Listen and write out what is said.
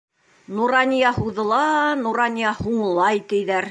Нурания һуҙыла, Нурания һуңлай, тиҙәр.